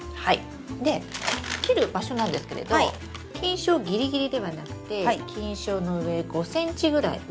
で切る場所なんですけれど菌床ギリギリではなくて菌床の上５ｃｍぐらい上。